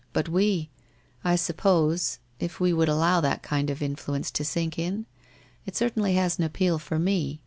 But we t — i suppose, if we would allow that kind of in fluence to sink in ?— It certainly has an appeal for me.